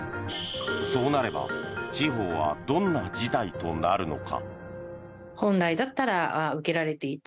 そうなれば地方はどんな事態となるのか。